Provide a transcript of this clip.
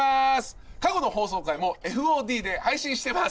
過去の放送回もＦＯＤで配信してます。